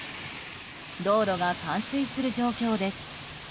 道路が冠水する状況です。